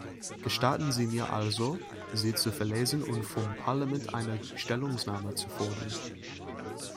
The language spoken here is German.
Gestatten Sie mir also, sie zu verlesen und vom Parlament eine Stellungnahme zu fordern.